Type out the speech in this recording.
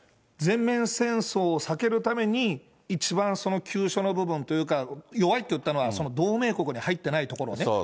全面戦争を避けるために、一番急所の部分というか、弱いって言ったのは、同盟国に入ってない所ね。